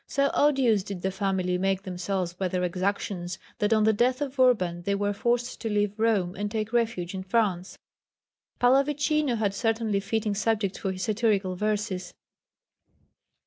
So odious did the family make themselves by their exactions that on the death of Urban they were forced to leave Rome and take refuge in France. Pallavicino had certainly fitting subjects for his satirical verses.